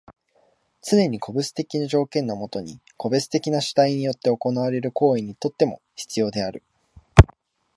つねに個別的な条件のもとに個別的な主体によって行われる行為にとっても必要である。